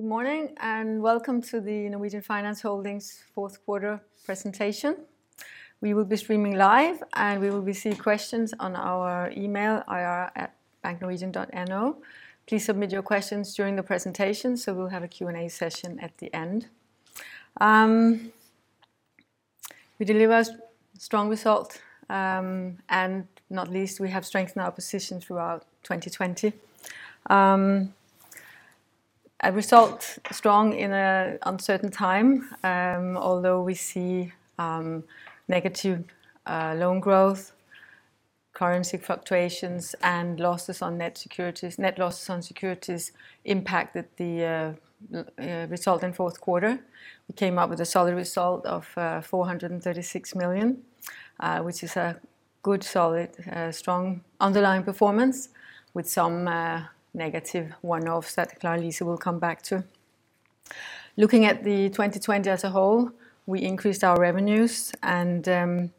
Good morning, welcome to the Norwegian Finans Holding's fourth quarter presentation. We will be streaming live, and we will receive questions on our email ir@banknorwegian.no. Please submit your questions during the presentation so we'll have a Q&A session at the end. We delivered strong results, not least, we have strengthened our position throughout 2020. A result strong in an uncertain time. Although we see negative loan growth, currency fluctuations, and losses on net securities. Net losses on securities impacted the result in the fourth quarter. We came up with a solid result of 436 million, which is a good, solid, strong underlying performance with some negative one-offs that Klara-Lise will come back to. Looking at 2020 as a whole, we increased our revenues, and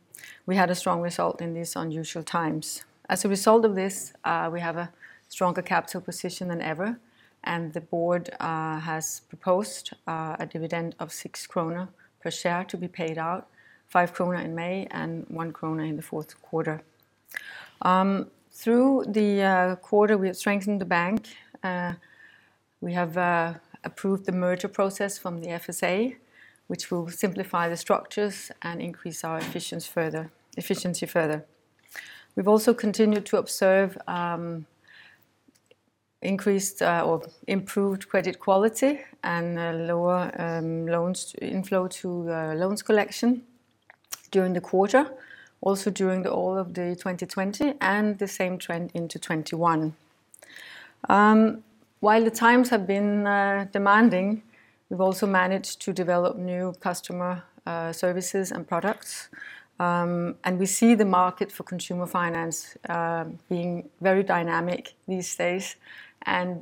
we had a strong result in these unusual times. As a result of this, we have a stronger capital position than ever. The board has proposed a dividend of 6 krone per share to be paid out, 5 krone in May and 1 krone in the fourth quarter. Through the quarter, we have strengthened the bank. We have approved the merger process from the FSA, which will simplify the structures and increase our efficiency further. We've also continued to observe increased or improved credit quality and lower inflow to loans collection during the quarter, also during all of 2020. The same trend into 2021. While the times have been demanding, we've also managed to develop new customer services and products. We see the market for consumer finance being very dynamic these days.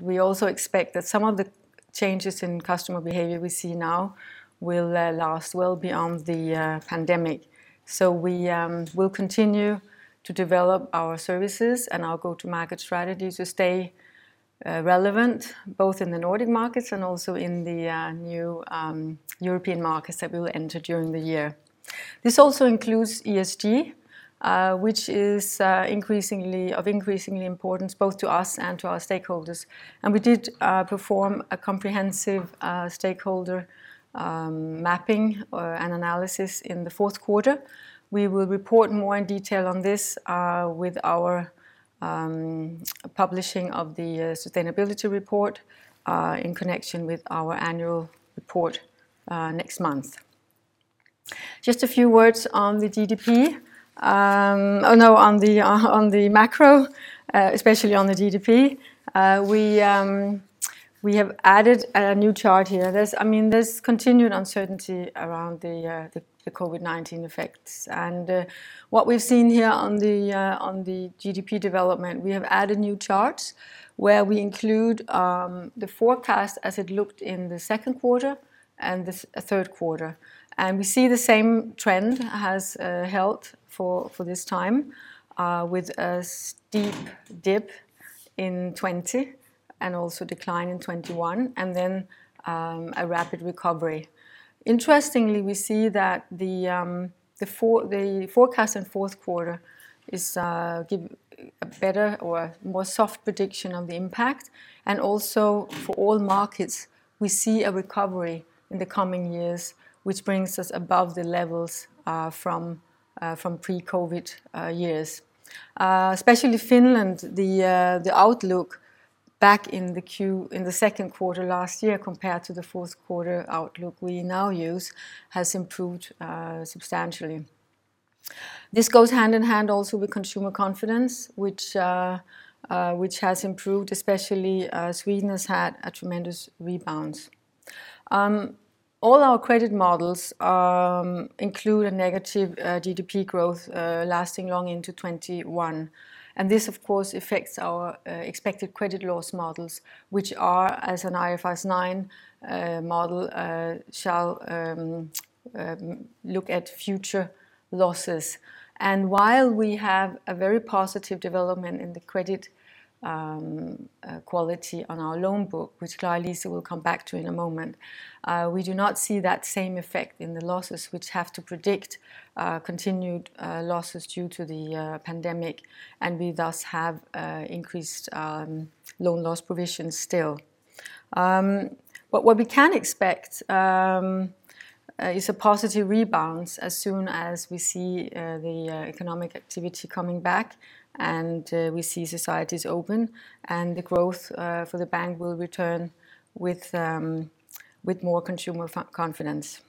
We also expect that some of the changes in customer behavior we see now will last well beyond the pandemic. We will continue to develop our services and our go-to-market strategy to stay relevant both in the Nordic markets and also in the new European markets that we will enter during the year. This also includes ESG, which is of increasing importance both to us and to our stakeholders. We did perform a comprehensive stakeholder mapping and analysis in the fourth quarter. We will report more in detail on this with our publishing of the sustainability report in connection with our annual report next month. Just a few words on the GDP. On the macro, especially on the GDP. We have added a new chart here. There's continued uncertainty around the COVID-19 effects. What we've seen here on the GDP development, we have added new charts where we include the forecast as it looked in the second quarter and the third quarter. We see the same trend has held for this time with a steep dip in 2020 and also decline in 2021, then a rapid recovery. Interestingly, we see that the forecast in the fourth quarter is giving a better or more soft prediction of the impact. Also for all markets, we see a recovery in the coming years, which brings us above the levels from pre-COVID-19 years. Especially Finland, the outlook back in the second quarter last year compared to the fourth quarter outlook we now use has improved substantially. This goes hand in hand also with consumer confidence, which has improved, especially as Sweden has had a tremendous rebound. All our credit models include a negative GDP growth lasting long into 2021. This, of course, affects our expected credit loss models, which are as an IFRS 9 model shall look at future losses. While we have a very positive development in the credit quality on our loan book, which Klara-Lise will come back to in a moment, we do not see that same effect in the losses, which have to predict continued losses due to the pandemic, and we thus have increased loan loss provisions still. What we can expect is a positive rebound as soon as we see the economic activity coming back, and we see societies open, and the growth for the bank will return with more consumer confidence.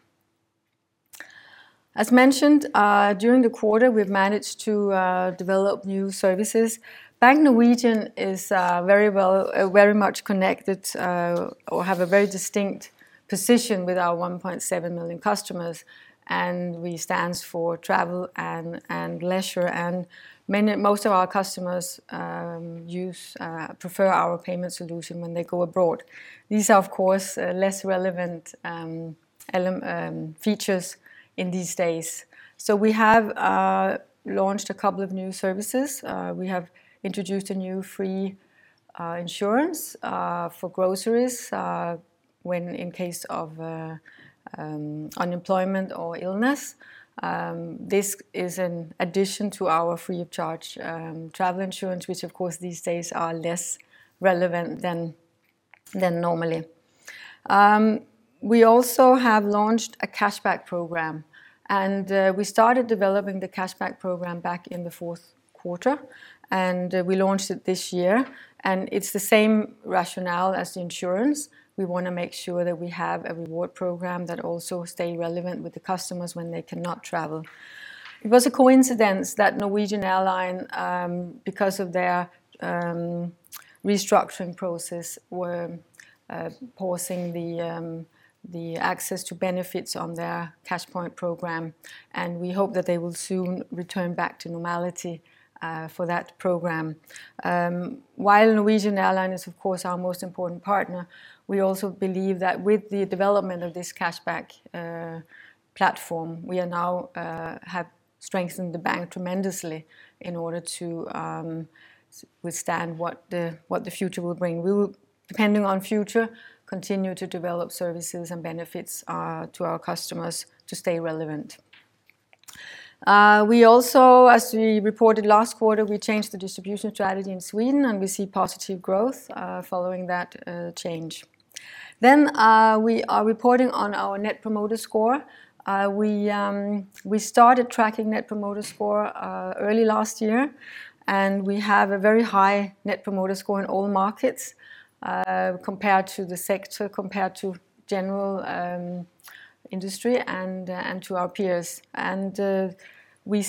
As mentioned, during the quarter, we've managed to develop new services. Bank Norwegian is very much connected, or have a very distinct position with our 1.7 million customers, and we stand for travel and leisure, and most of our customers prefer our payment solution when they go abroad. These are, of course, less relevant features these days. We have launched a couple of new services. We have introduced a new free insurance for groceries, when in case of unemployment or illness. This is an addition to our free of charge travel insurance, which of course, these days are less relevant than normally. We also have launched a cashback program, and we started developing the cashback program back in the fourth quarter, and we launched it this year, and it's the same rationale as the insurance. We want to make sure that we have a reward program that also stays relevant with the customers when they cannot travel. It was a coincidence that Norwegian Air Shuttle, because of their restructuring process, were pausing the access to benefits on their cash point program, and we hope that they will soon return back to normality for that program. While Norwegian Airline is, of course, our most important partner, we also believe that with the development of this cashback platform, we now have strengthened the bank tremendously in order to withstand what the future will bring. We will, depending on the future, continue to develop services and benefits to our customers to stay relevant. We also, as we reported last quarter, changed the distribution strategy in Sweden. We see positive growth following that change. We are reporting on our Net Promoter Score. We started tracking Net Promoter Score early last year, and we have a very high Net Promoter Score in all markets compared to the sector, compared to general industry, and to our peers. We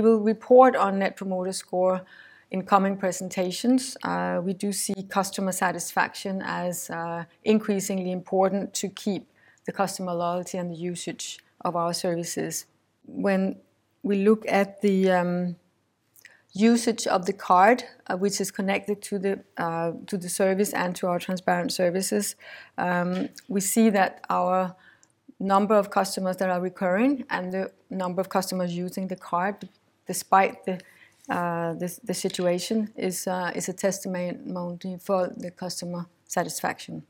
will report on Net Promoter Score in coming presentations. We do see customer satisfaction as increasingly important to keep the customer loyalty and the usage of our services. When we look at the usage of the card, which is connected to the service and to our transparent services, we see that our number of customers that are recurring and the number of customers using the card despite the situation is a testament for the customer satisfaction.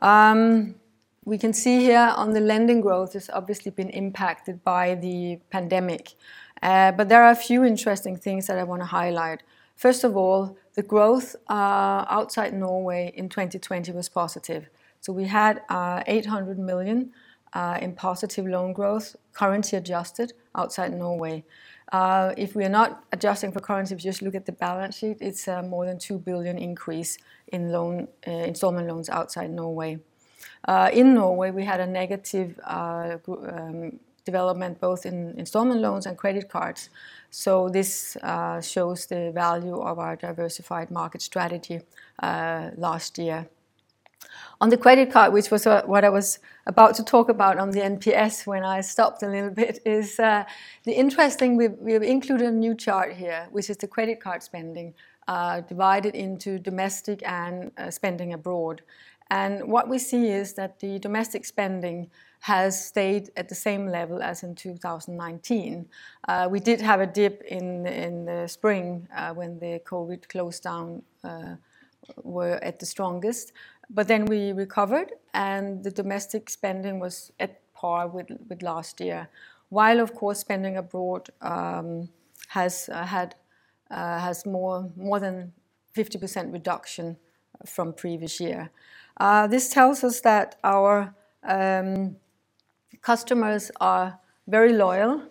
There are a few interesting things that I want to highlight. First of all, the growth outside Norway in 2020 was positive. We had 800 million in positive loan growth, currency adjusted, outside Norway. If we are not adjusting for currency, if you just look at the balance sheet, it's more than 2 billion increase in installment loans outside Norway. In Norway, we had a negative development both in installment loans and credit cards. This shows the value of our diversified market strategy last year. On the credit card, which was what I was about to talk about on the NPS when I stopped a little bit, is the interesting, we have included a new chart here, which is the credit card spending, divided into domestic and spending abroad. What we see is that the domestic spending has stayed at the same level as in 2019. We did have a dip in the spring when the COVID closedown were at the strongest, but then we recovered, and the domestic spending was at par with last year. While, of course, spending abroad has more than 50% reduction from the previous year. This tells us that our customers are very loyal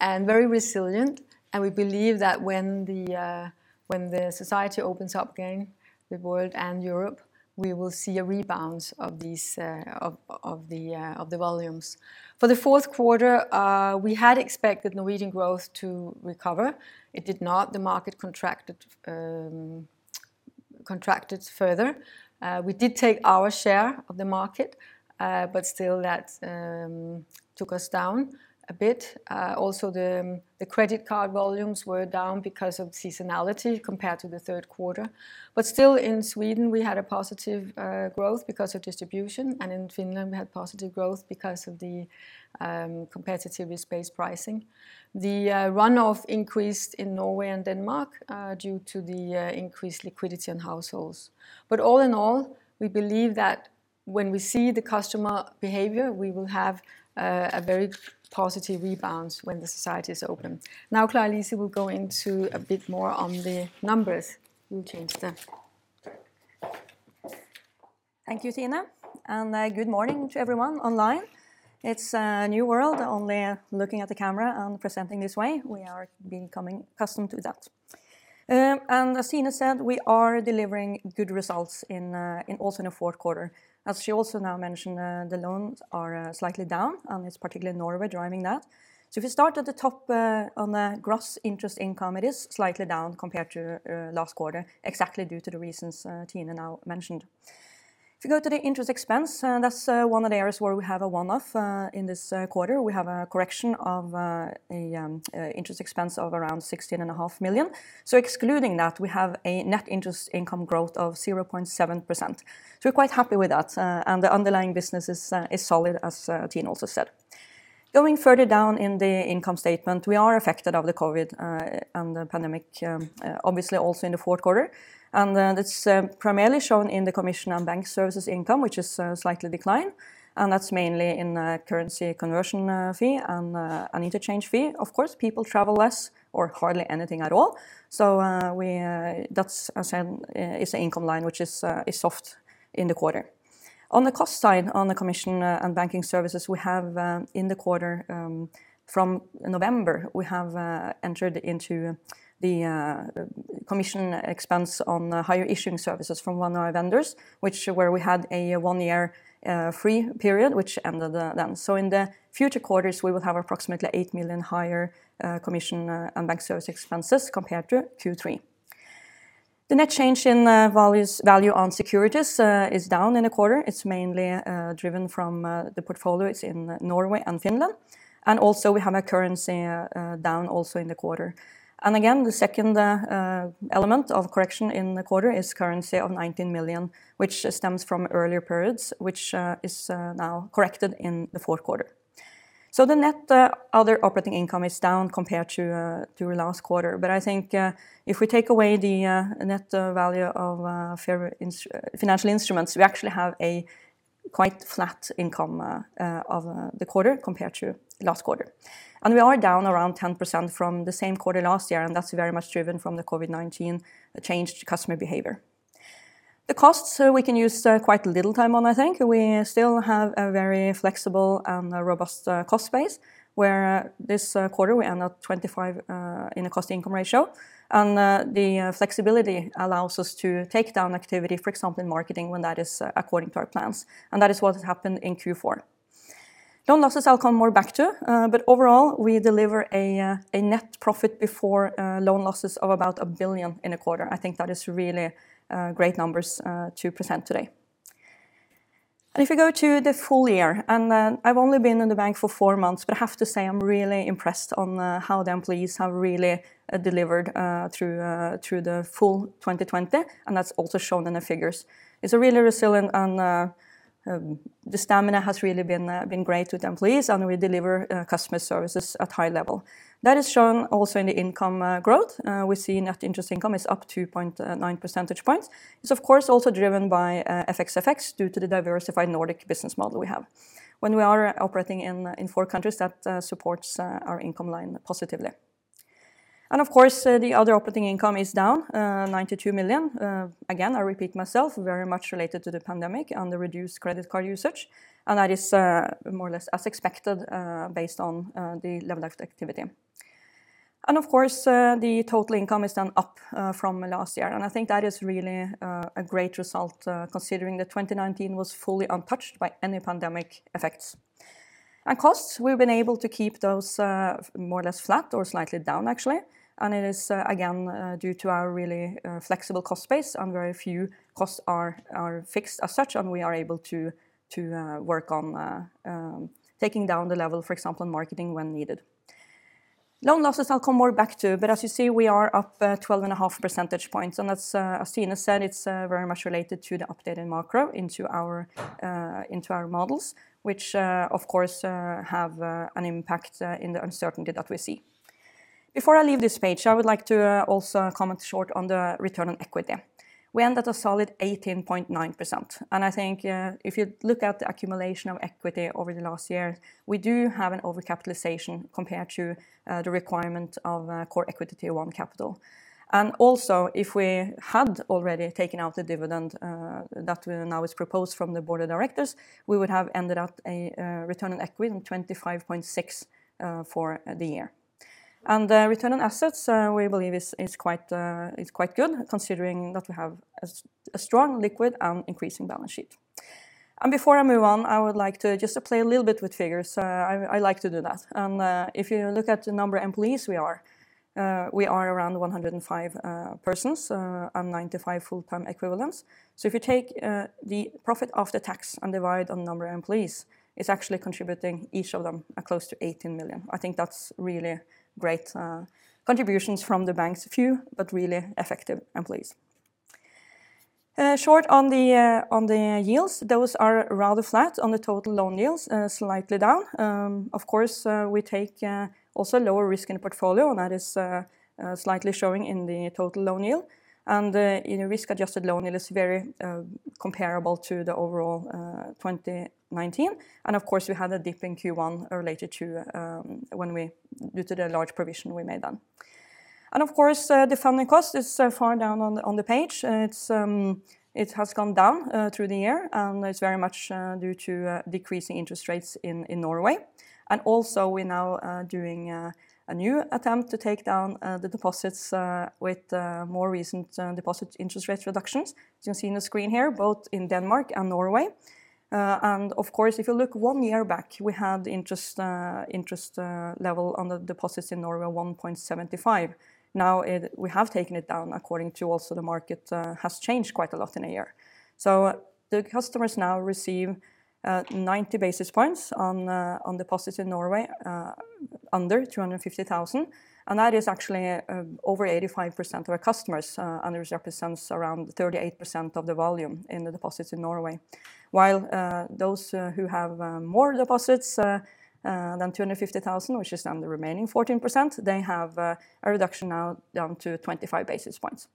and very resilient, we believe that when the society opens up again, the world and Europe, we will see a rebound of the volumes. For the fourth quarter, we had expected Norwegian growth to recover. It did not. The market contracted further. We did take our share of the market, still, that took us down a bit. Also, the credit card volumes were down because of seasonality compared to the third quarter. Still, in Sweden, we had a positive growth because of distribution, and in Finland, we had positive growth because of the competitiveness-based pricing. The runoff increased in Norway and Denmark due to the increased liquidity in households. All in all, we believe that when we see the customer behavior, we will have a very positive rebound when the society is open. Now Klara-Lise will go into a bit more on the numbers. Thank you, Tine. Good morning to everyone online. It's a new world, only looking at the camera and presenting this way. We are becoming accustomed to that. As Tine said, we are delivering good results also in the fourth quarter. As she also now mentioned, the loans are slightly down, and it's particularly Norway driving that. If you start at the top on the gross interest income, it is slightly down compared to last quarter, exactly due to the reasons Tine now mentioned. If you go to the interest expense, that's one of the areas where we have a one-off in this quarter. We have a correction of interest expense of around 16.5 million. Excluding that, we have a net interest income growth of 0.7%. We're quite happy with that, and the underlying business is solid, as Tine also said. Going further down in the income statement, we are affected by the COVID-19 and the pandemic, obviously also in the fourth quarter. That's primarily shown in the commission on bank services income, which is slightly declined, and that's mainly in currency conversion fee and interchange fee. Of course, people travel less or hardly anything at all. That, as said, is the income line, which is soft in the quarter. On the cost side, on the commission on banking services we have in the quarter from November, we have entered into the commission expense on higher issuing services from one of our vendors, which is where we had a one-year free period, which ended then. In the future quarters, we will have approximately 8 million higher commission on bank service expenses compared to Q3. The net change in value on securities is down in the quarter. It's mainly driven from the portfolios in Norway and Finland. Also we have a currency down also in the quarter. Again, the second element of correction in the quarter is currency of 19 million, which stems from earlier periods, which is now corrected in the fourth quarter. The net other operating income is down compared to last quarter. I think if we take away the net value of financial instruments, we actually have a quite flat income of the quarter compared to last quarter. We are down around 10% from the same quarter last year, and that's very much driven from the COVID-19 changed customer behavior. The costs we can use quite little time on, I think. We still have a very flexible and robust cost base where this quarter we end at 25 in the cost-income ratio. The flexibility allows us to take down activity, for example, in marketing, when that is according to our plans. That is what happened in Q4. Loan losses, I'll come more back to, but overall, we deliver a net profit before loan losses of about 1 billion in a quarter. I think that is really great numbers to present today. If we go to the full year, and I've only been in the bank for four months, but I have to say I'm really impressed on how the employees have really delivered through the full 2020, and that's also shown in the figures. It's really resilient and the stamina has really been great with employees, and we deliver customer services at high level. That is shown also in the income growth. We see net interest income is up 2.9 percentage points. It's of course also driven by FX effects due to the diversified Nordic business model we have. When we are operating in four countries, that supports our income line positively. Of course, the other operating income is down 92 million. Again, I repeat myself, very much related to the pandemic and the reduced credit card usage, and that is more or less as expected based on the level of activity. Of course, the total income is then up from last year, and I think that is really a great result considering that 2019 was fully untouched by any pandemic effects. Costs, we've been able to keep those more or less flat or slightly down, actually. It is, again, due to our really flexible cost base and very few costs are fixed as such, and we are able to work on taking down the level, for example, in marketing when needed. Loan losses, I'll come more back to, but as you see, we are up 12.5 percentage points, and as Tine said, it's very much related to the update in macro into our models, which of course have an impact in the uncertainty that we see. Before I leave this page, I would like to also comment short on the return on equity. We ended a solid 18.9%. I think if you look at the accumulation of equity over the last year, we do have an overcapitalization compared to the requirement of Core Equity Tier 1 capital. If we had already taken out the dividend that now is proposed from the board of directors, we would have ended at a return on equity of 25.6% for the year. Return on assets we believe is quite good considering that we have a strong liquid and increasing balance sheet. Before I move on, I would like to just play a little bit with figures. I like to do that. If you look at the number of employees we are, we are around 105 persons and 95 full-time equivalents. If you take the profit after tax and divide on number of employees, it's actually contributing each of them close to 18 million. I think that's really great contributions from the bank's few but really effective employees. Short on the yields, those are rather flat on the total loan yields, slightly down. Of course, we take also lower risk in the portfolio, and that is slightly showing in the total loan yield. Risk-adjusted loan yield is very comparable to the overall 2019. Of course, we had a dip in Q1 related to due to the large provision we made then. Of course, the funding cost is far down on the page. It has gone down through the year, and it's very much due to decreasing interest rates in Norway. Also we're now doing a new attempt to take down the deposits with more recent deposit interest rate reductions. As you can see on the screen here, both in Denmark and Norway. Of course, if you look one year back, we had interest level on the deposits in Norway of 1.75%. Now we have taken it down according to also the market has changed quite a lot in a year. The customers now receive 90 basis points on deposits in Norway under 250,000, and that is actually over 85% of our customers, and this represents around 38% of the volume in the deposits in Norway. While those who have more deposits than 250,000, which is the remaining 14%, they have a reduction now down to 25 basis points.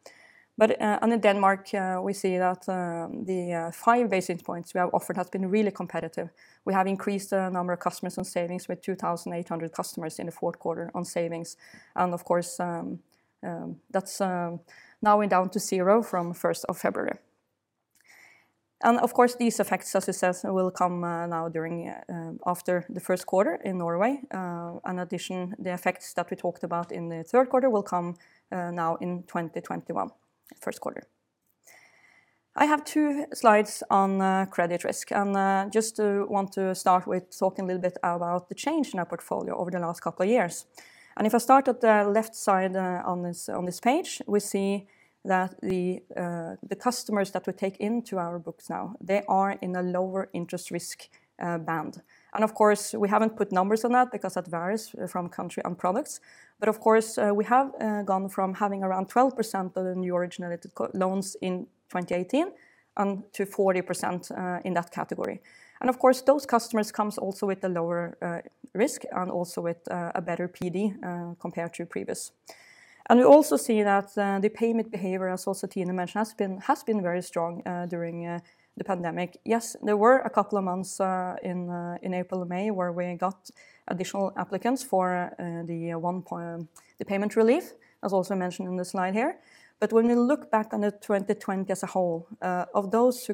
In Denmark, we see that the five basis points we have offered has been really competitive. We have increased the number of customers on savings with 2,800 customers in the fourth quarter on savings, and of course, that's now went down to zero from the 1st of February. These effects, as we said, will come now after the first quarter in Norway. The effects that we talked about in the third quarter will come now in 2021, first quarter. I have two slides on credit risk, just want to start with talking a little bit about the change in our portfolio over the last couple of years. If I start at the left side on this page, we see that the customers that we take into our books now, they are in a lower interest risk band. Of course, we haven't put numbers on that because that varies from country and products. Of course, we have gone from having around 12% of the new originated loans in 2018 to 40% in that category. Of course, those customers comes also with a lower risk and also with a better PD compared to previous. We also see that the payment behavior, as also Tine mentioned, has been very strong during the pandemic. Yes, there were a couple of months in April and May where we got additional applicants for the payment relief, as also mentioned in the slide here. When we look back on 2020 as a whole, of those who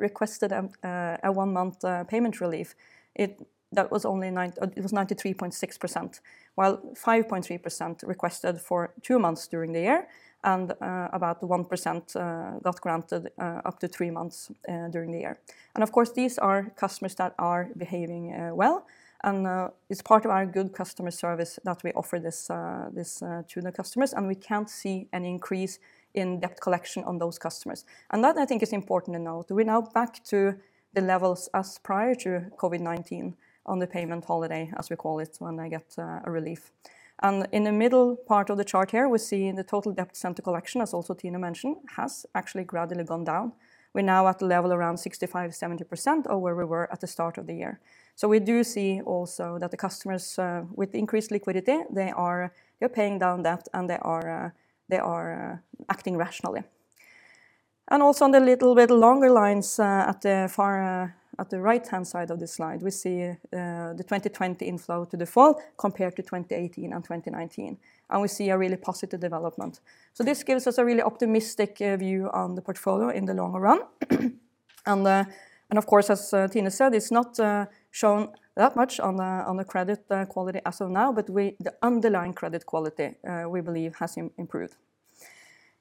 requested a one-month payment relief, it was 93.6%, while 5.3% requested for two months during the year, and about 1% got granted up to three months during the year. Of course, these are customers that are behaving well, and it's part of our good customer service that we offer this to the customers, and we cannot see an increase in debt collection on those customers. That I think is important to note. We're now back to the levels as prior to COVID-19 on the payment holiday, as we call it, when they get a relief. In the middle part of the chart here, we're seeing the total debt sent to collection, as also Tine mentioned, has actually gradually gone down. We're now at the level around 65%-70% of where we were at the start of the year. We do see also that the customers with increased liquidity, they are paying down debt, and they are acting rationally. Also on the little bit longer lines at the right-hand side of the slide, we see the 2020 inflow to default compared to 2018 and 2019. We see a really positive development. This gives us a really optimistic view on the portfolio in the longer run. Of course, as Tine said, it's not shown that much on the credit quality as of now, but the underlying credit quality, we believe, has improved.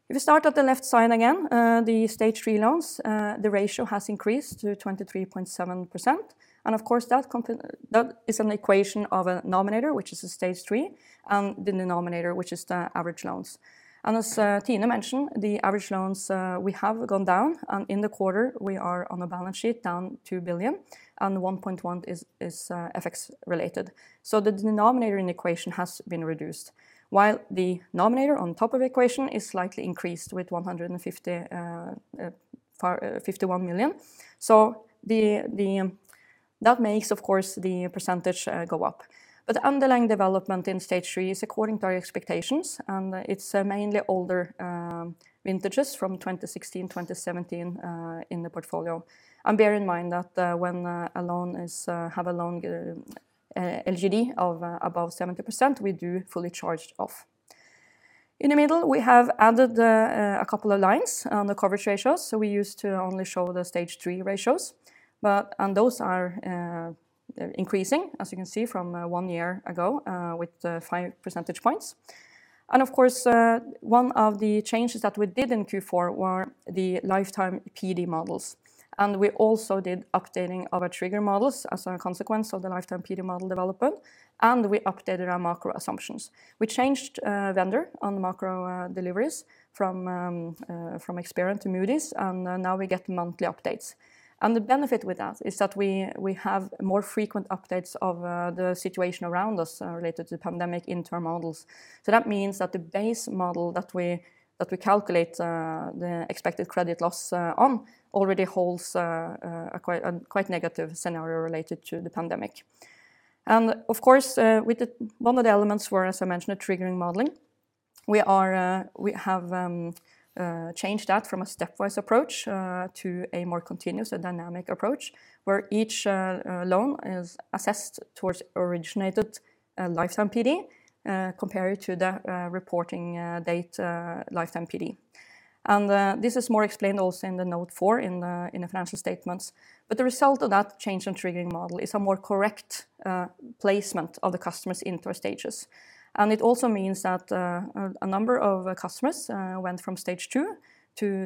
If you start at the left side again, the Stage 3 loans, the ratio has increased to 23.7%. Of course, that is an equation of a nominator, which is a Stage 3, and the denominator, which is the average loans. As Tine mentioned, the average loans, we have gone down, and in the quarter, we are on a balance sheet down 2 billion, and 1.1 billion is FX related. The denominator in the equation has been reduced, while the nominator on top of equation is slightly increased with 151 million. That makes, of course, the percentage go up. The underlying development in Stage 3 is according to our expectations, and it's mainly older vintages from 2016, 2017 in the portfolio. Bear in mind that when a loan have a long LGD of above 70%, we do fully charged off. In the middle, we have added a couple of lines on the coverage ratios. We used to only show the Stage 3 ratios. Those are increasing, as you can see from one year ago, with five percentage points. Of course, one of the changes that we did in Q4 were the lifetime PD models. We also did updating of our trigger models as a consequence of the lifetime PD model development, and we updated our macro assumptions. We changed vendor on the macro deliveries from Experian to Moody's, and now we get monthly updates. The benefit with that is that we have more frequent updates of the situation around us related to the pandemic into our models. That means that the base model that we calculate the expected credit loss on already holds a quite negative scenario related to the pandemic. Of course, one of the elements were, as I mentioned, a triggering modeling. We have changed that from a stepwise approach to a more continuous and dynamic approach, where each loan is assessed towards originated lifetime PD compared to the reporting date lifetime PD. This is more explained also in the note four in the financial statements. The result of that change in triggering model is a more correct placement of the customers into our stages. It also means that a number of customers went from Stage 2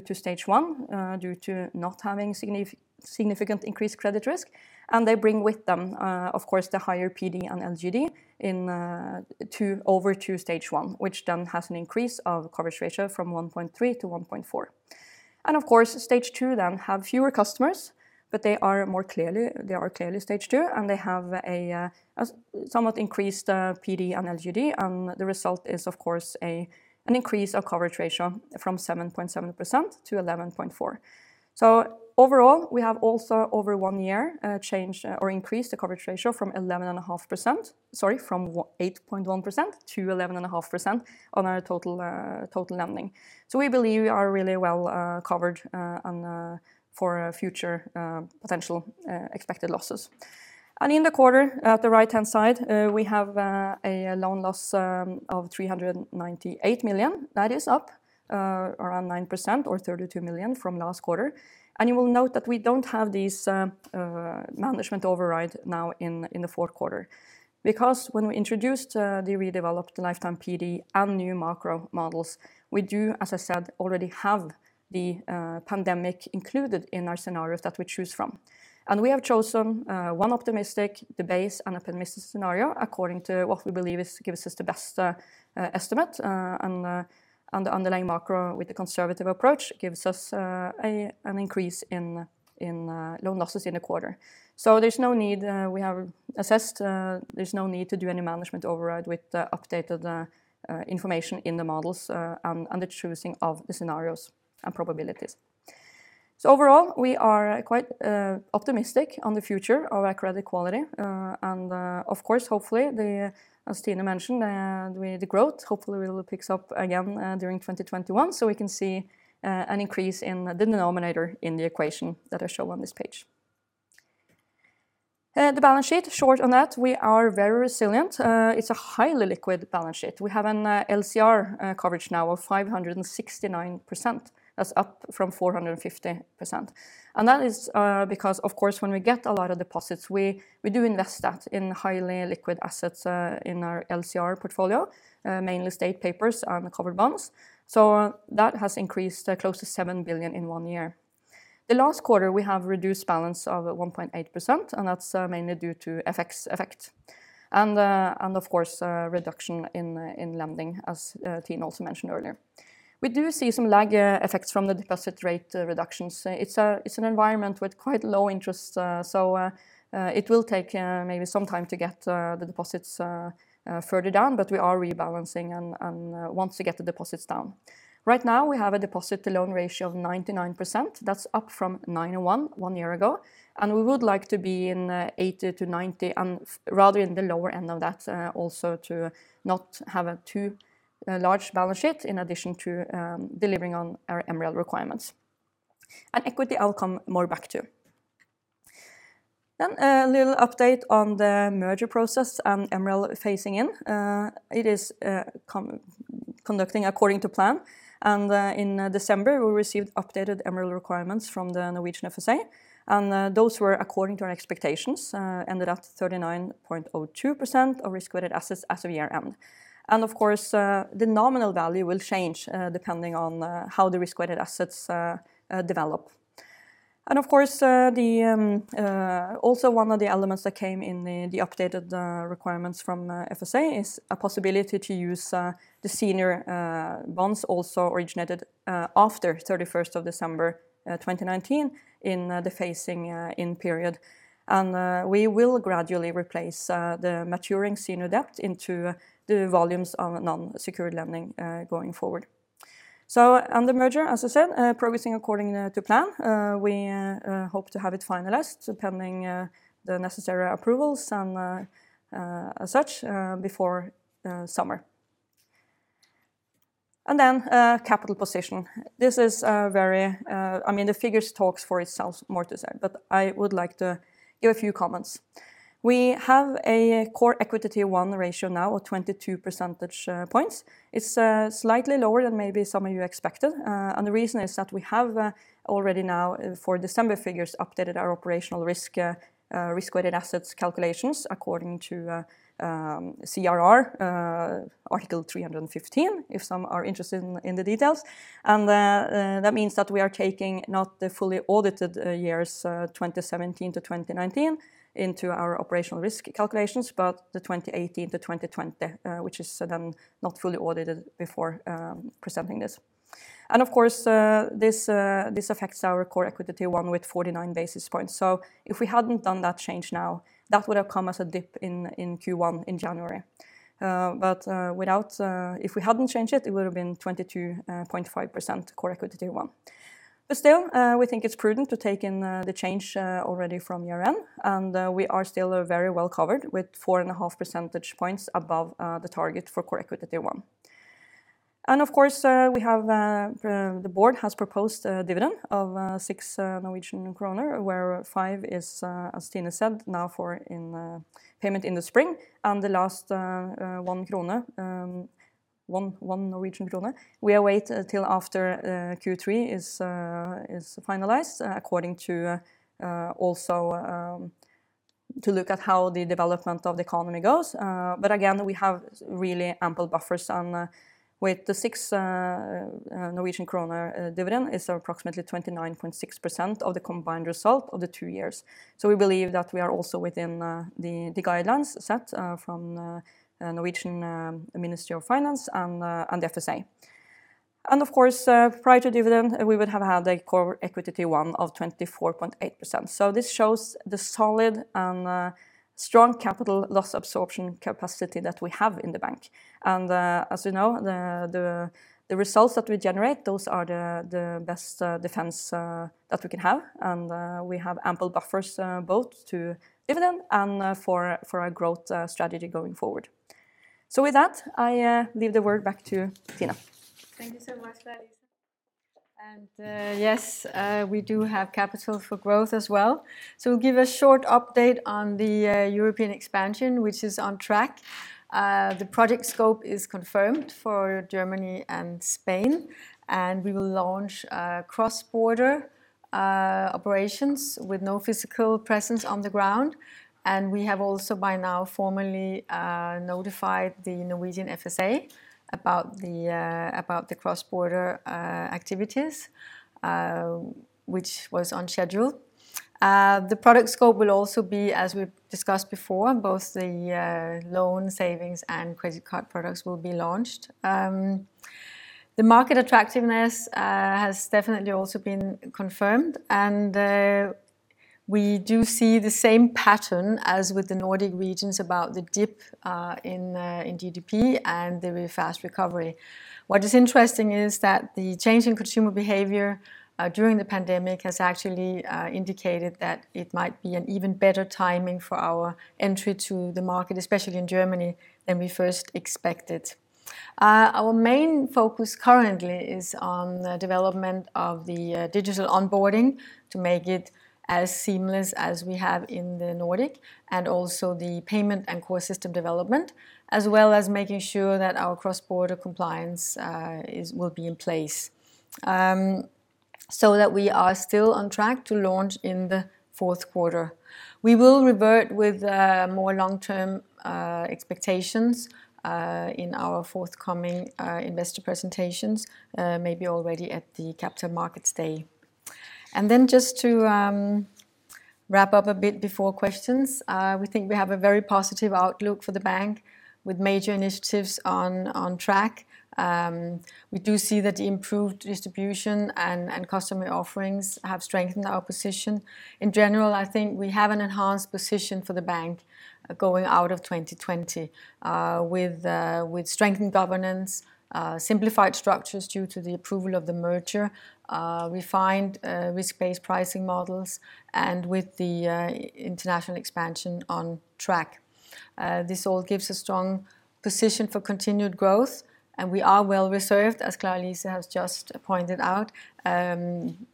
to Stage 1 due to not having significant increased credit risk. They bring with them, of course, the higher PD and LGD over to Stage 1, which then has an increase of coverage ratio from 1.3%-1.4%. Of course, Stage 2 then have fewer customers. They are clearly Stage 2, and they have a somewhat increased PD and LGD, and the result is, of course, an increase of coverage ratio from 7.7%-11.4%. Overall, we have also over one year increased the coverage ratio from 8.1%-11.5% on our total lending. We believe we are really well covered for future potential expected losses. In the quarter, at the right-hand side, we have a loan loss of 398 million. That is up around 9% or 32 million from last quarter. You will note that we don't have these management override now in the fourth quarter. When we introduced the redeveloped lifetime PD and new macro models, we do, as I said, already have the pandemic included in our scenarios that we choose from. We have chosen one optimistic, the base, and a pessimistic scenario according to what we believe gives us the best estimate. The underlying macro with the conservative approach gives us an increase in loan losses in the quarter. We have assessed there's no need to do any management override with the updated information in the models and the choosing of the scenarios and probabilities. Overall, we are quite optimistic on the future of accredited quality. Of course, hopefully, as Tine mentioned, with the growth, hopefully it will pick up again during 2021, so we can see an increase in the denominator in the equation that I show on this page. The balance sheet, short on that, we are very resilient. It's a highly liquid balance sheet. We have an LCR coverage now of 569%. That's up from 450%. That is because, of course, when we get a lot of deposits, we do invest that in highly liquid assets in our LCR portfolio, mainly state papers and covered bonds. That has increased close to 7 billion in one year. The last quarter, we have reduced balance of 1.8%, and that's mainly due to FX effect. Of course, reduction in lending, as Tine also mentioned earlier. We do see some lag effects from the deposit rate reductions. It's an environment with quite low interest, so it will take maybe some time to get the deposits further down, but we are rebalancing and want to get the deposits down. Right now we have a deposit to loan ratio of 99%. That's up from 91% one year ago. We would like to be in 80% to 90%, and rather in the lower end of that, also to not have a too large balance sheet in addition to delivering on our MREL requirements. Equity, I'll come more back to. A little update on the merger process and MREL phasing in. It is conducting according to plan, and in December we received updated MREL requirements from the Norwegian FSA, and those were according to our expectations, ended at 39.02% of risk-weighted assets as of year-end. Of course, the nominal value will change depending on how the risk-weighted assets develop. Of course, also one of the elements that came in the updated requirements from FSA is a possibility to use the senior bonds also originated after 31st of December 2019 in the phasing-in period. We will gradually replace the maturing senior debt into the volumes of non-secured lending going forward. On the merger, as I said, progressing according to plan. We hope to have it finalized depending the necessary approvals and such before summer. Then capital position. The figures talks for itself more to say, I would like to give a few comments. We have a Core Equity Tier 1 ratio now of 22 percentage points. It's slightly lower than maybe some of you expected. The reason is that we have already now for December figures updated our operational risk-weighted assets calculations according to CRR Article 315, if some are interested in the details. That means that we are taking not the fully audited years 2017-2019 into our operational risk calculations, but the 2018-2020 which is then not fully audited before presenting this. Of course, this affects our Core Equity Tier 1 with 49 basis points. If we hadn't done that change now, that would have come as a dip in Q1 in January. If we hadn't changed it would have been 22.5% Core Equity Tier 1. Still, we think it's prudent to take in the change already from year-end, and we are still very well covered with 4.5 percentage points above the target for Core Equity Tier 1. Of course, the board has proposed a dividend of 6 Norwegian kroner, where 5 is, as Tine said, now for payment in the spring, and the last 1 krone, we await until after Q3 is finalized according to also to look at how the development of the economy goes. Again, we have really ample buffers, and with the 6 Norwegian krone dividend, it's approximately 29.6% of the combined result of the 2 years. We believe that we are also within the guidelines set from Norwegian Ministry of Finance and the FSA. Of course, prior to dividend, we would have had a Core Equity Tier 1 of 24.8%. This shows the solid and strong capital loss absorption capacity that we have in the bank. As you know, the results that we generate, those are the best defense that we can have. We have ample buffers both to dividend and for our growth strategy going forward. With that, I leave the word back to Tine. Thank you so much, Klara-Lise. Yes, we do have capital for growth as well. We'll give a short update on the European expansion, which is on track. The project scope is confirmed for Germany and Spain, and we will launch cross-border operations with no physical presence on the ground. We have also by now formally notified the Norwegian FSA about the cross-border activities, which was on schedule. The product scope will also be, as we've discussed before, both the loan savings and credit card products will be launched. The market attractiveness has definitely also been confirmed, and we do see the same pattern as with the Nordic regions about the dip in GDP and the very fast recovery. What is interesting is that the change in consumer behavior during the pandemic has actually indicated that it might be an even better timing for our entry to the market, especially in Germany, than we first expected. Our main focus currently is on the development of the digital onboarding to make it as seamless as we have in the Nordic, and also the payment and core system development, as well as making sure that our cross-border compliance will be in place so that we are still on track to launch in the fourth quarter. We will revert with more long-term expectations in our forthcoming investor presentations, maybe already at the Capital Markets Day. Just to wrap up a bit before questions, we think we have a very positive outlook for the bank with major initiatives on track. We do see that the improved distribution and customer offerings have strengthened our position. In general, I think we have an enhanced position for the bank going out of 2020 with strengthened governance, simplified structures due to the approval of the merger, refined risk-based pricing models, and with the international expansion on track. This all gives a strong position for continued growth. We are well reserved, as Klara-Lise has just pointed out.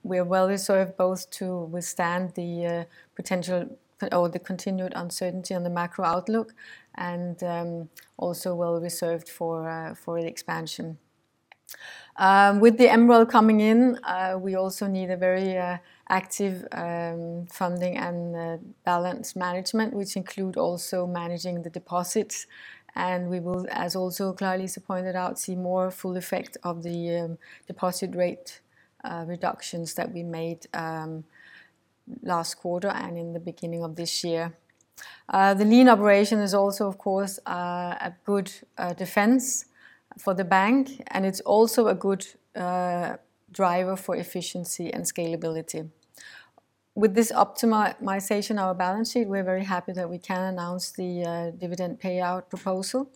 We are well reserved both to withstand the potential or the continued uncertainty on the macro outlook and also well reserved for the expansion. With the MREL coming in, we also need a very active funding and balance management, which include also managing the deposits. We will, as also Klara-Lise pointed out, see more full effect of the deposit rate reductions that we made last quarter and in the beginning of this year. The lean operation is also, of course, a good defense for the bank, and it's also a good driver for efficiency and scalability. With this optimization of our balance sheet, we're very happy that we can announce the dividend payout proposal.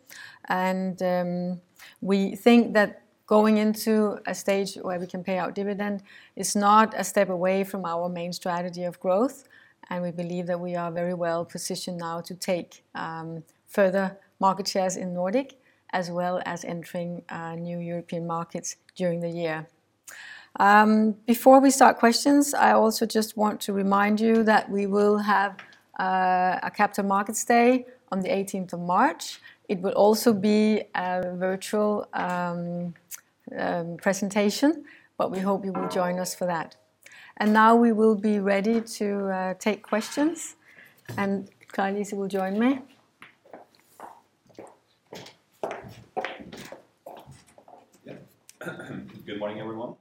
We think that going into a stage where we can pay out dividend is not a step away from our main strategy of growth. We believe that we are very well positioned now to take further market shares in Nordic, as well as entering new European markets during the year. Before we start questions, I also just want to remind you that we will have a Capital Markets Day on the 18th of March. It will also be a virtual presentation, but we hope you will join us for that. Now we will be ready to take questions, and Klara-Lise will join me. Yeah. Good morning, everyone.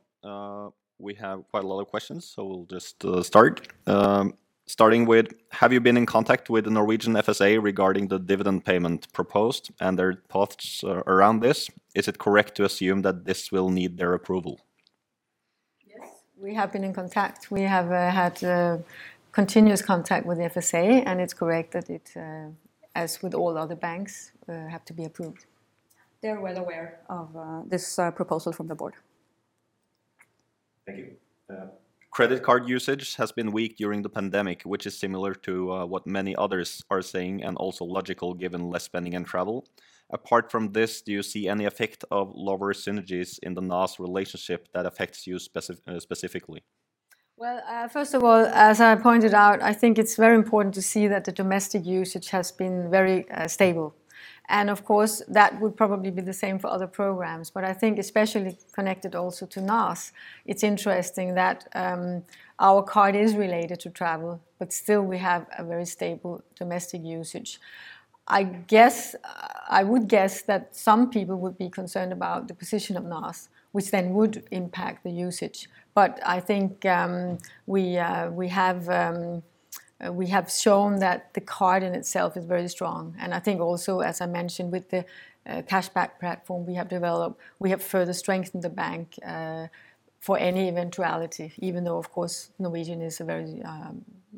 We have quite a lot of questions, so we'll just start. Starting with, have you been in contact with the Norwegian FSA regarding the dividend payment proposed and their thoughts around this? Is it correct to assume that this will need their approval? Yes, we have been in contact. We have had continuous contact with the FSA, and it's correct that it, as with all other banks, have to be approved. They're well aware of this proposal from the board. Thank you. Credit card usage has been weak during the pandemic, which is similar to what many others are saying and also logical given less spending and travel. Apart from this, do you see any effect of lower synergies in the NAS relationship that affects you specifically? First of all, as I pointed out, I think it is very important to see that the domestic usage has been very stable. Of course, that would probably be the same for other programs. I think especially connected also to NAS, it's interesting that our card is related to travel, but still we have a very stable domestic usage. I would guess that some people would be concerned about the position of Norwegian, which then would impact the usage. I think we have shown that the card in itself is very strong, and I think also, as I mentioned with the cashback platform we have developed, we have further strengthened the bank for any eventuality, even though, of course, Norwegian is a very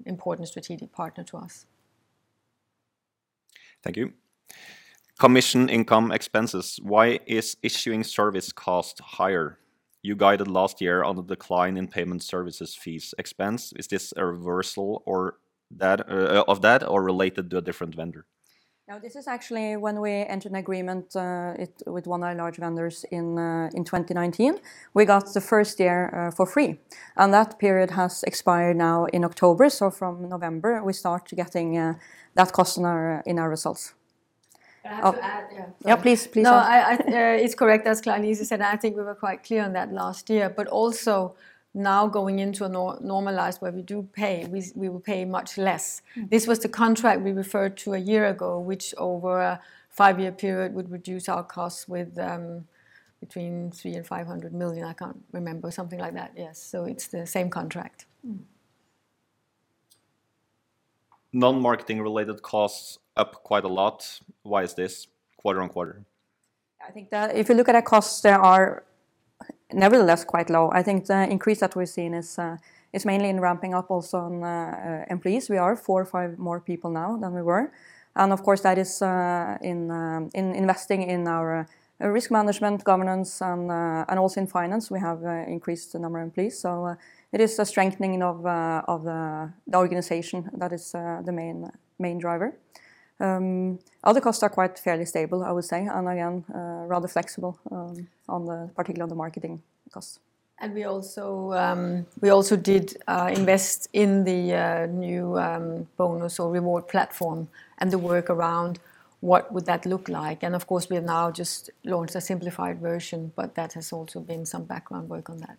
important strategic partner to us. Thank you. Commission income expenses. Why is issuing service cost higher? You guided last year on the decline in payment services fees expense. Is this a reversal of that or related to a different vendor? This is actually when we entered an agreement with one of our large vendors in 2019. We got the first year for free, and that period has expired now in October. From November, we start getting that cost in our results. I have to add, yeah. Yeah, please. No, it's correct, as Tine said. I think we were quite clear on that last year, but also now going into a normalized where we do pay, we will pay much less. This was the contract we referred to a year ago, which over a five-year period would reduce our costs with between 300 million and 500 million. I can't remember. Something like that. Yes. It's the same contract. Non-marketing related costs up quite a lot. Why is this quarter on quarter? I think that if you look at our costs, they are nevertheless quite low. I think the increase that we're seeing is mainly in ramping up also on employees. We are four or five more people now than we were, and of course, that is investing in our risk management governance and also in finance, we have increased the number employees. It is a strengthening of the organization that is the main driver. Other costs are quite fairly stable, I would say. Again, rather flexible, particularly on the marketing costs. We also did invest in the new bonus or reward platform and the work around what would that look like? Of course, we have now just launched a simplified version, but that has also been some background work on that.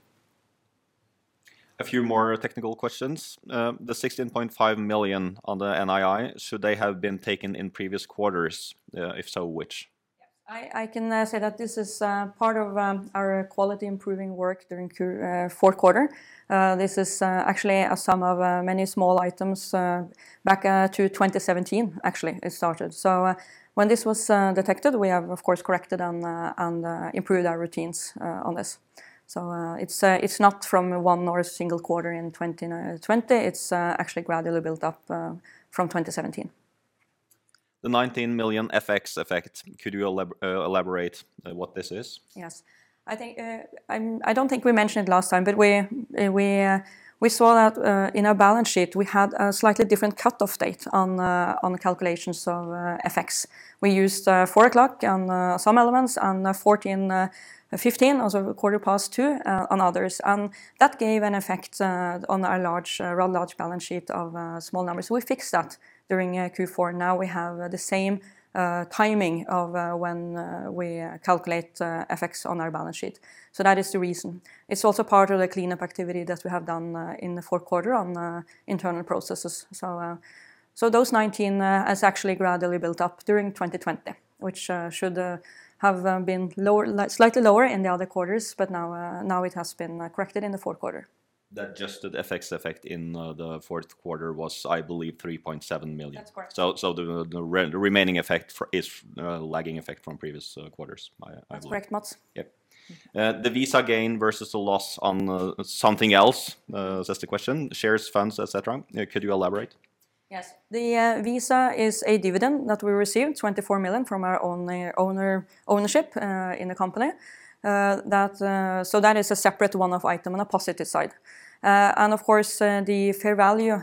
A few more technical questions. The 16.5 million on the NII, should they have been taken in previous quarters? If so, which? Yes, I can say that this is part of our quality improving work during fourth quarter. This is actually a sum of many small items back to 2017, actually, it started. When this was detected, we have, of course, corrected and improved our routines on this. It's not from one nor a single quarter in 2020. It's actually gradually built up from 2017. The 19 million FX effect. Could you elaborate what this is? Yes. I don't think we mentioned it last time, but we saw that in our balance sheet, we had a slightly different cut-off date on the calculations of FX. We used 4:00 on some elements and 2:15 P.M., also 2:15 P.M., on others. That gave an effect on our large balance sheet of small numbers. We fixed that during Q4. Now we have the same timing of when we calculate FX on our balance sheet. That is the reason. It's also part of the cleanup activity that we have done in the fourth quarter on internal processes. Those 19 has actually gradually built up during 2020, which should have been slightly lower in the other quarters, but now it has been corrected in the fourth quarter. That adjusted FX effect in the fourth quarter was, I believe, 3.7 million. That's correct. The remaining effect is a lagging effect from previous quarters, I believe. That's correct, Mats. Yep. The Visa gain versus the loss on something else, says the question. Shares, funds, et cetera. Could you elaborate? Yes. The Visa is a dividend that we received, 24 million from our ownership in the company. That is a separate one-off item on a positive side. Of course, the fair value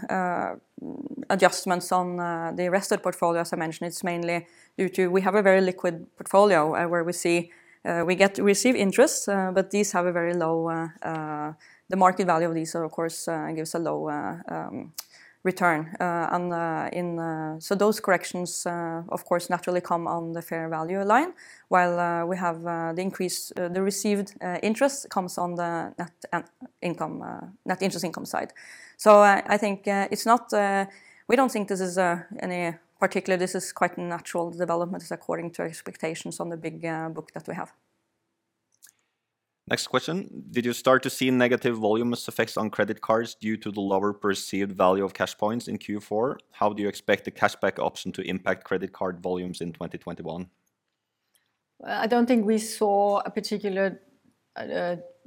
adjustments on the rest of portfolio, as I mentioned, it's mainly due to, we have a very liquid portfolio where we get to receive interest, but the market value of these, of course, gives a low return. Those corrections, of course, naturally come on the fair value line, while we have the received interest comes on the net interest income side. We don't think this is any particular. This is quite a natural development according to expectations on the big book that we have. Next question. Did you start to see negative volumes effects on credit cards due to the lower perceived value of CashPoints in Q4? How do you expect the cashback option to impact credit card volumes in 2021? I don't think we saw a particular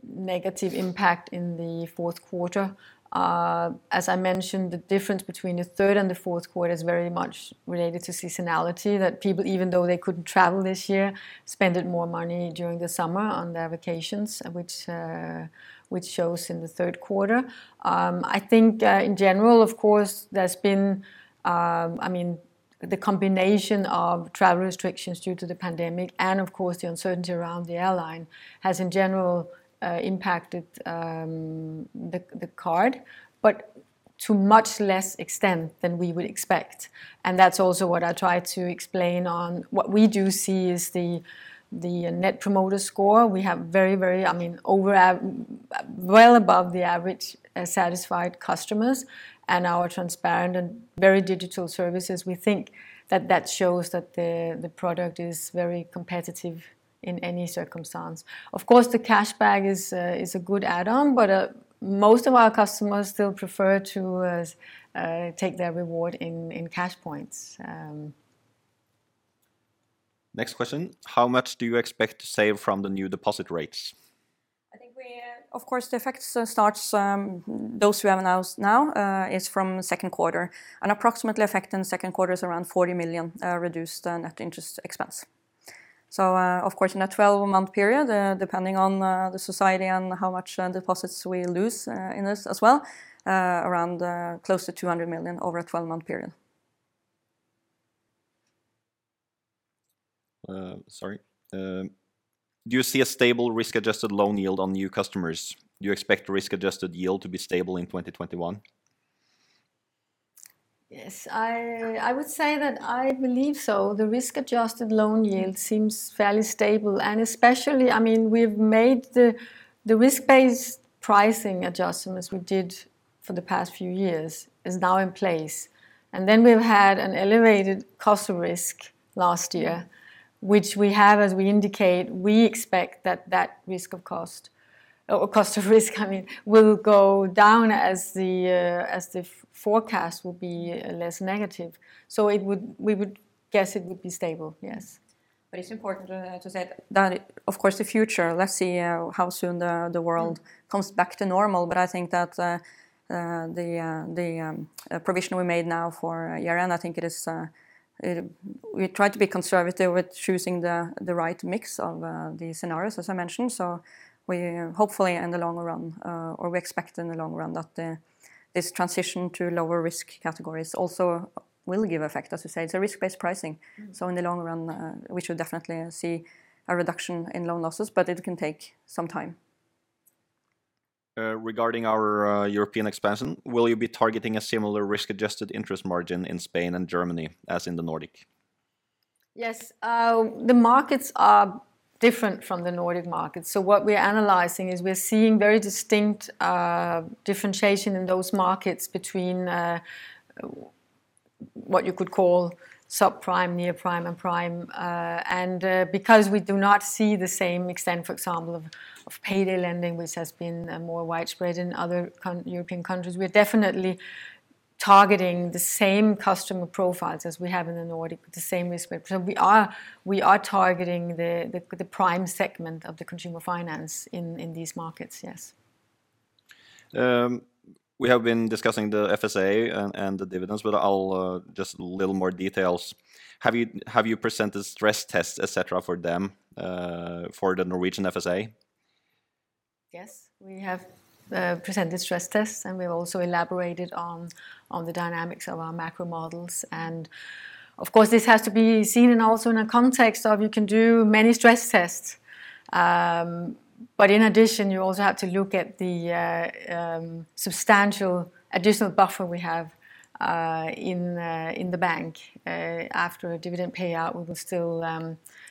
negative impact in the fourth quarter. As I mentioned, the difference between the third and the fourth quarter is very much related to seasonality, that people, even though they couldn't travel this year, spent more money during the summer on their vacations, which shows in the third quarter. I think, in general, of course, there's been the combination of travel restrictions due to the pandemic, and of course, the uncertainty around the airline has in general impacted the card, but to much less extent than we would expect. That's also what I try to explain on what we do see is the Net Promoter Score. We have very Well above the average satisfied customers, and our transparent and very digital services. We think that shows that the product is very competitive in any circumstance. Of course, the cashback is a good add-on, but most of our customers still prefer to take their reward in CashPoints. Next question. How much do you expect to save from the new deposit rates? Of course, the effects start, those we have announced now is from second quarter. Approximately effect in the second quarter is around 40 million reduced net interest expense. Of course, in a 12-month period, depending on the society and how much deposits we lose in this as well, around close to 200 million over a 12-month period. Sorry. Do you see a stable risk-adjusted loan yield on new customers? Do you expect risk-adjusted yield to be stable in 2021? Yes. I would say that I believe so. The risk-adjusted loan yield seems fairly stable. Especially, we've made the risk-based pricing adjustments we did for the past few years is now in place. Then we've had an elevated cost of risk last year, which we have, as we indicate, we expect that cost of risk will go down as the forecast will be less negative. We would guess it would be stable. Yes. It's important to say that, of course, the future, let's see how soon the world comes back to normal, but I think that the provision we made now for year-end, we tried to be conservative with choosing the right mix of the scenarios, as I mentioned. We hopefully in the long run, or we expect in the long run that this transition to lower risk categories also will give effect. As we said, it's a risk-based pricing. In the long run, we should definitely see a reduction in loan losses, but it can take some time. Regarding our European expansion, will you be targeting a similar risk-adjusted interest margin in Spain and Germany as in the Nordic? Yes. The markets are different from the Nordic markets. What we're analyzing is we're seeing very distinct differentiation in those markets between what you could call sub-prime, near prime, and prime. Because we do not see the same extent, for example, of payday lending, which has been more widespread in other European countries, we're definitely targeting the same customer profiles as we have in the Nordic, the same risk profile. We are targeting the prime segment of the consumer finance in these markets. Yes. We have been discussing the FSA and the dividends, but just little more details. Have you presented stress tests, et cetera, for them, for the Norwegian FSA? Yes. We have presented stress tests, and we've also elaborated on the dynamics of our macro models. Of course, this has to be seen and also in a context of you can do many stress tests. In addition, you also have to look at the substantial additional buffer we have in the bank. After a dividend payout, we will still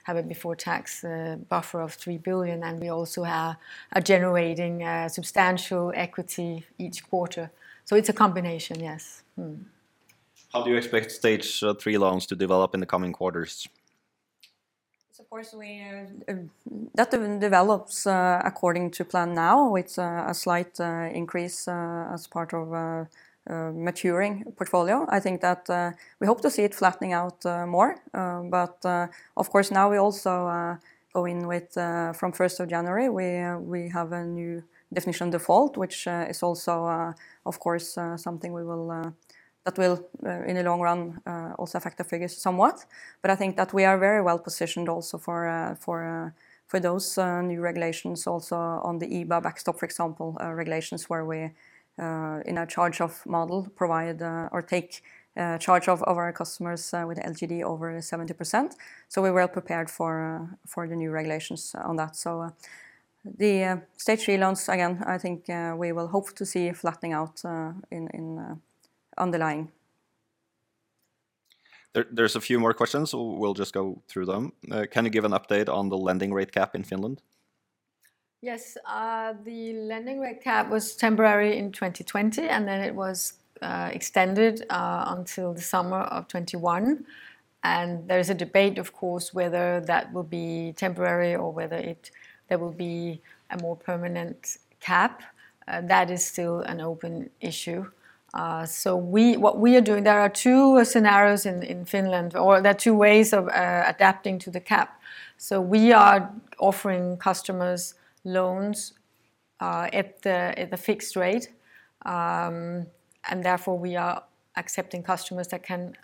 have a before tax buffer of 3 billion, and we also are generating substantial equity each quarter. It's a combination, yes. Mm-hmm. How do you expect Stage 3 loans to develop in the coming quarters? That develops according to plan now with a slight increase as part of a maturing portfolio. Of course, now we also go in with from 1st of January, we have a new definition of default, which is also, of course, something that will, in the long run, also affect the figures somewhat. I think that we are very well positioned also for those new regulations also on the EBA backstop, for example, regulations where we in a charge-off model provide or take charge of our customers with LGD over 70%. We're well prepared for the new regulations on that. The Stage 3 loans, again, I think we will hope to see flattening out underlying. There's a few more questions. We'll just go through them. Can you give an update on the lending rate cap in Finland? Yes. The lending rate cap was temporary in 2020, then it was extended until the summer of 2021. There is a debate, of course, whether that will be temporary or whether there will be a more permanent cap. That is still an open issue. There are two scenarios in Finland, there are two ways of adapting to the cap. We are offering customers loans at the fixed rate. Therefore, we are accepting customers that can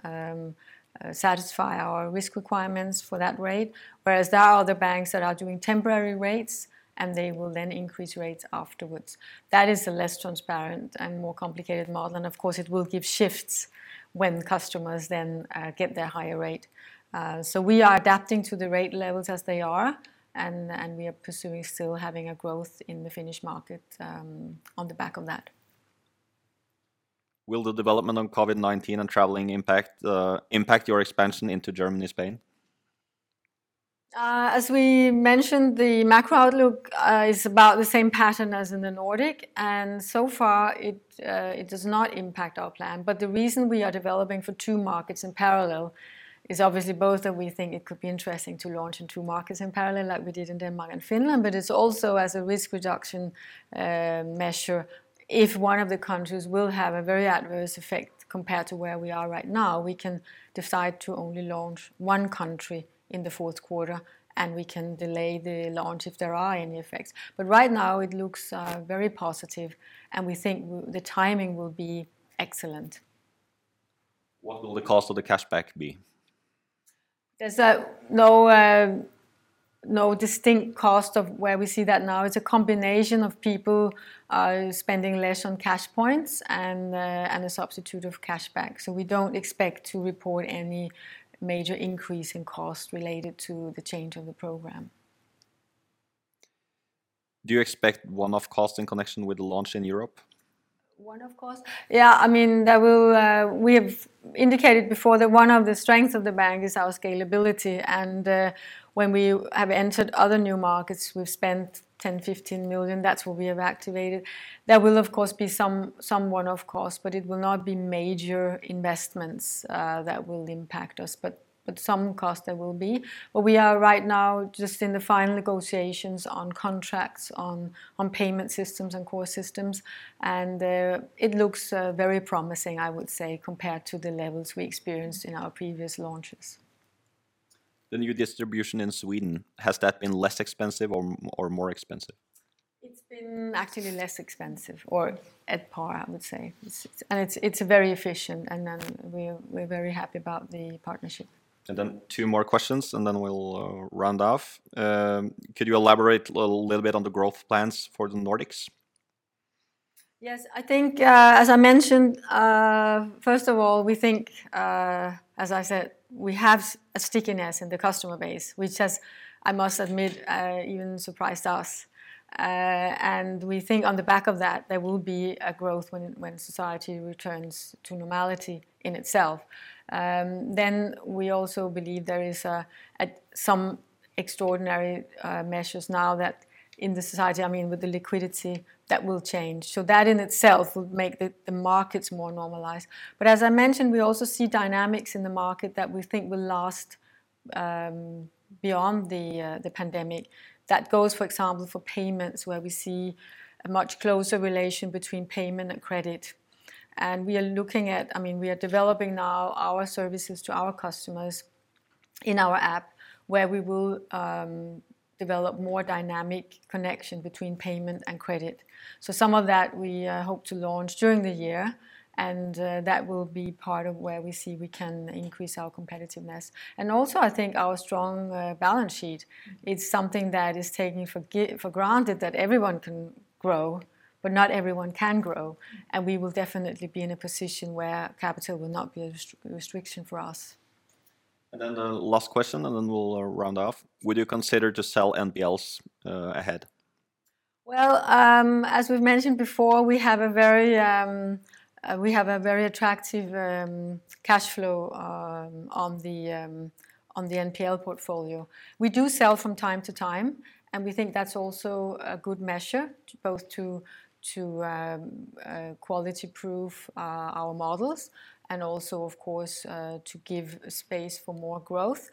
satisfy our risk requirements for that rate, whereas there are other banks that are doing temporary rates, and they will then increase rates afterwards. That is a less transparent and more complicated model. Of course, it will give shifts when customers then get their higher rate. We are adapting to the rate levels as they are, and we are pursuing still having a growth in the Finnish market on the back of that. Will the development on COVID-19 and traveling impact your expansion into Germany, Spain? As we mentioned, the macro outlook is about the same pattern as in the Nordic. So far it does not impact our plan. The reason we are developing for two markets in parallel is obviously both that we think it could be interesting to launch in two markets in parallel, like we did in Denmark and Finland, but it's also as a risk reduction measure. If one of the countries will have a very adverse effect compared to where we are right now, we can decide to only launch one country in the fourth quarter. We can delay the launch if there are any effects. Right now it looks very positive. We think the timing will be excellent. What will the cost of the cashback be? There's no distinct cost of where we see that now. It's a combination of people spending less on CashPoints and a substitute of cashback. We don't expect to report any major increase in cost related to the change of the program. Do you expect one-off cost in connection with the launch in Europe? One-off cost? Yeah. We have indicated before that one of the strengths of Bank Norwegian is our scalability, and when we have entered other new markets, we've spent 10 million, 15 million. That's what we have activated. There will, of course, be some one-off cost, but it will not be major investments that will impact us. Some cost there will be. We are right now just in the final negotiations on contracts on payment systems and core systems, and it looks very promising, I would say, compared to the levels we experienced in our previous launches. The new distribution in Sweden, has that been less expensive or more expensive? It's been actually less expensive or at par, I would say. It's very efficient, and we're very happy about the partnership. Two more questions, then we'll round off. Could you elaborate a little bit on the growth plans for the Nordics? Yes. As I mentioned, first of all, we think, as I said, we have a stickiness in the customer base, which has, I must admit even surprised us. We think on the back of that, there will be a growth when society returns to normality in itself. We also believe there is some extraordinary measures now that in the society, with the liquidity that will change. That in itself will make the markets more normalized. As I mentioned, we also see dynamics in the market that we think will last beyond the pandemic. That goes, for example, for payments where we see a much closer relation between payment and credit. We are developing now our services to our customers in our app where we will develop more dynamic connection between payment and credit. Some of that we hope to launch during the year, and that will be part of where we see we can increase our competitiveness. Also, I think our strong balance sheet, it's something that is taken for granted that everyone can grow, but not everyone can grow. We will definitely be in a position where capital will not be a restriction for us. The last question, and then we'll round off. Would you consider to sell NPLs ahead? Well, as we've mentioned before, we have a very attractive cash flow on the NPL portfolio. We do sell from time to time, and we think that's also a good measure both to quality-proof our models and also, of course, to give space for more growth.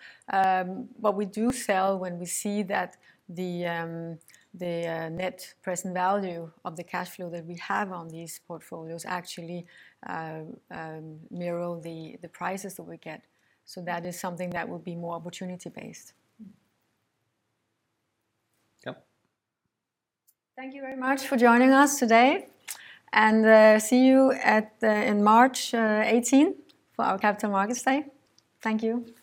We do sell when we see that the net present value of the cash flow that we have on these portfolios actually mirror the prices that we get. That is something that will be more opportunity based. Yep. Thank you very much for joining us today, and see you in March 18 for our Capital Markets Day. Thank you.